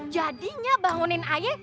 jadinya bangunin aye